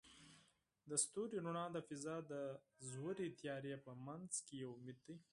د ستوري رڼا د فضاء د ژورې تیارې په منځ کې یو امید دی.